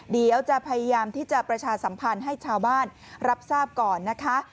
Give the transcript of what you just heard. เดี๋ยวจะพยายามที่จะประชาสัมพันธ์ให้ชาวบ้านรับทราบก่อนนะคะ